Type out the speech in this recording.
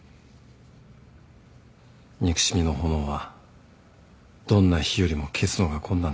憎しみの炎はどんな火よりも消すのが困難だからね。